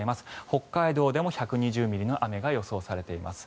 北海道でも１２０ミリの雨が予想されています。